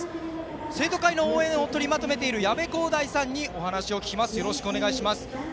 生徒会の応援を取りまとめているやべこうめいさんに聞きます。